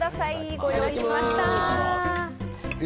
ご用意しました。